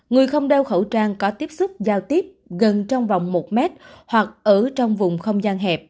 người không đeo khẩu trang có tiếp xúc giao tiếp gần trong vòng một mét hoặc ở trong vùng không gian hẹp